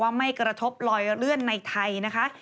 ไม่กระทบลอยเลื่อนในไทยนะคะ